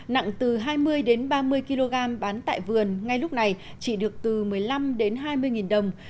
nặng từ hai mươi đến ba mươi kg bán tại vườn ngay lúc này chỉ được từ một mươi năm đến hai mươi đồng